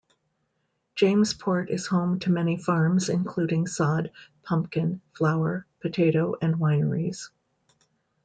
Jamesport is home to many farms including sod, pumpkin, flower, potato and wineries.